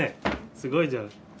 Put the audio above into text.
すごいじゃん。